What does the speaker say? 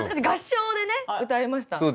合唱でね歌いました。